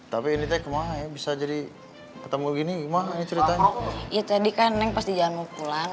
tapi ini tegma ya bisa jadi ketemu gini mah ceritanya itu adikannya pasti jangan mau pulang